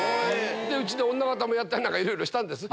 うちで女形もやったりいろいろしたんです。